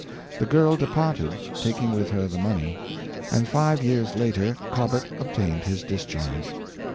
The girl de parted, taking with her the money, and five years later Cobbett obtained his discharge.